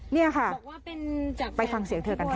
นี่ค่ะไปฟังเสียงเธอกันค่ะ